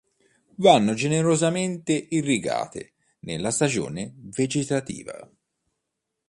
Vanno generosamente irrigate nella stagione vegetativa.